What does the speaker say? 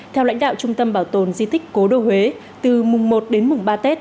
theo lãnh đạo trung tâm bảo tồn di tích cố đô huế từ mùa một đến mùa ba tết